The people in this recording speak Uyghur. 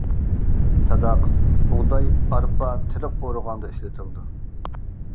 ساداق بۇغداي ئارپا، تېرىق ئورىغاندا ئىشلىتىلىدۇ.